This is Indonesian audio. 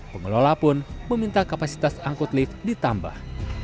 pengelola pun meminta kapasitas angkut lift ditambah